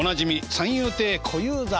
三遊亭小遊三さん。